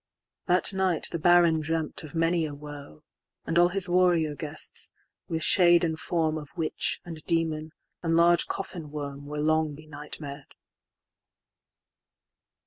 That night the Baron dreamt of many a woe, And all his warrior guests, with shade and formOf witch, and demon, and large coffin worm, Were long be nightmar'd.